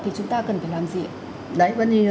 thì chúng ta cần phải làm gì đấy vẫn như